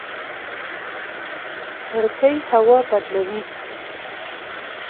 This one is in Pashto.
کړکۍ هوا بدلوي